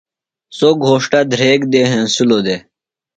سوۡ گھوݜٹہ دھریگ دے ہنسِلوۡ دےۡ۔